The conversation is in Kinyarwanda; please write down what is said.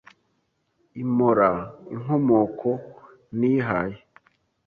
impora inkomoko ntihaye